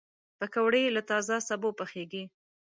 پکورې له تازه سبو پخېږي